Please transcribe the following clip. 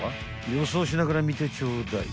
予想しながら見てちょうだい］